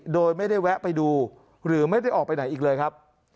โดยไม่ได้แวะไปดูหรือไม่ได้ออกไปไหนอีกเลยครับ